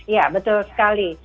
ya betul sekali